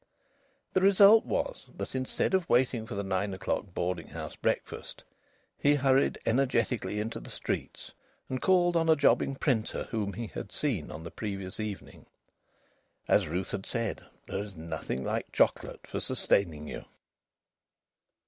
The result was that, instead of waiting for the nine o'clock boarding house breakfast, he hurried energetically into the streets and called on a jobbing printer whom he had seen on the previous evening. As Ruth had said, "There is nothing like chocolate for sustaining you."